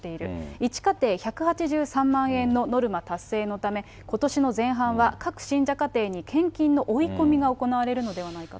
１家庭１８３万円のノルマ達成のため、ことしの前半は、各信者家庭に献金の追い込みが行われるのではないかと。